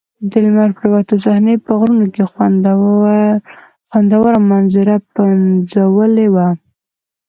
د لمر پرېوتو صحنې په غرونو کې خوندوره منظره پنځولې وه.